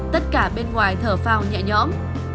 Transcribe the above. tất cả bên ngoài thở phào nhẹ nhõm